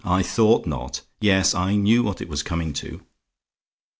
"I thought not! Yes; I knew what it was coming to.